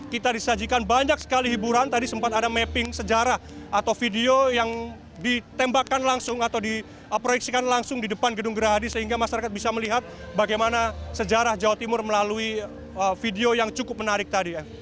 kita disajikan banyak sekali hiburan tadi sempat ada mapping sejarah atau video yang ditembakkan langsung atau diproyeksikan langsung di depan gedung gerahadi sehingga masyarakat bisa melihat bagaimana sejarah jawa timur melalui video yang cukup menarik tadi